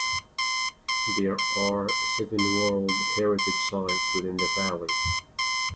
There are seven World Heritage Sites within the valley.